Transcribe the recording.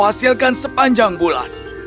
kau hasilkan sepanjang bulan